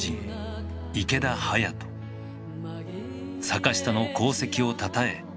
坂下の功績をたたえ